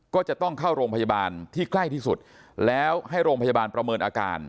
ก็จะต้องเข้าโรงพยาบาลที่ใกล้ที่สุดแล้วให้โรงพยาบาลประเมินอาการ